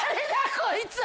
⁉こいつ！